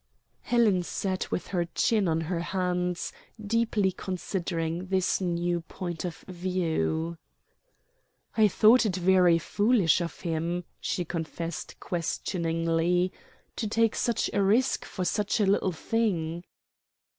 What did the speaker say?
Helen sat with her chin on her hands, deeply considering this new point of view. "I thought it very foolish of him," she confessed questioningly, "to take such a risk for such a little thing."